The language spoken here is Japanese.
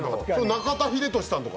中田英寿さんとか。